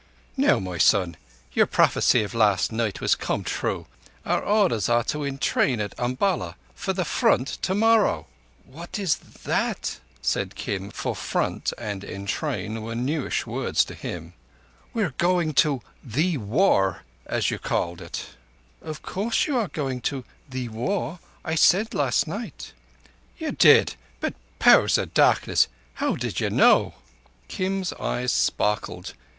"Now, my son, your prophecy of last night has come true. Our orders are to entrain at Umballa for the Front tomorrow." "What is thatt?" said Kim, for "front" and "entrain" were newish words to him. "We are going to 'thee War,' as you called it." "Of course you are going to thee War. I said last night." "Ye did; but, Powers o' Darkness, how did ye know?" Kim's eyes sparkled.